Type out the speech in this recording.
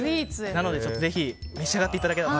なのでぜひ召し上がっていただければ。